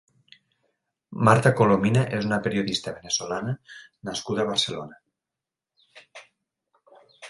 Marta Colomina és una periodista -veneçolana nascuda a Barcelona.